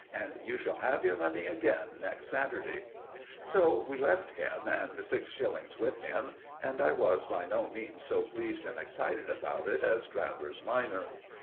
And you shall have your money again next Saturday." So we left him, and the six shillings with him, and I was by no means so pleased and excited about it as Travers minor.